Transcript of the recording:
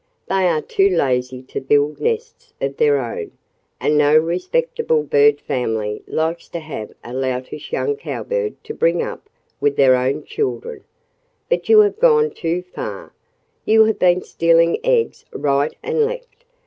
They are too lazy to build nests of their own. And no respectable bird family likes to have a loutish young Cowbird to bring up with their own children. But you have gone too far. You have been stealing eggs right and left.